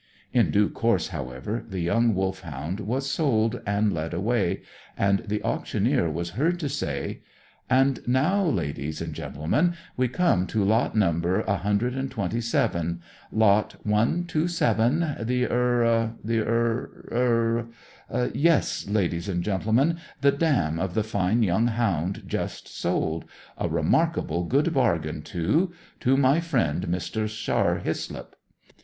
In due course, however, the young Wolfhound was sold and led away, and the auctioneer was heard to say "And now, ladies and gentlemen, we come to lot number a hundred and twenty seven, lot one two seven, the er the er er yes, ladies and gentlemen, the dam of the fine young hound just sold a remarkable good bargain, too to my friend Mr. Scarr Hislop.